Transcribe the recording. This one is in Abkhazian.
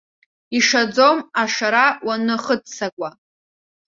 Ишаӡом ашара уанахыццакуа.